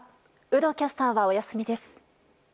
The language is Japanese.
有働キャスターはお休みです。